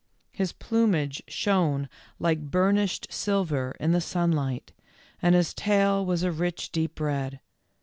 His plumage shone like burnished silver in the sunlight, and his tail was a rich deep red.